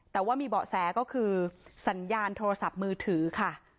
แต่ว่ามีเบาะแสก็คือสัญญาณโทรศัพท์มือถือค่ะ